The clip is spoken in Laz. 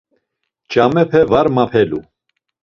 Ç̌amepe var mapelu.